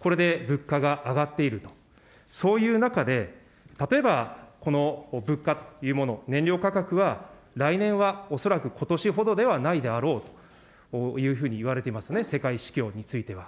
これで物価が上がっていると、そういう中で、例えば、この物価というもの、燃料価格は来年は恐らくことしほどではないであろうというふうにいわれていますね、世界市況については。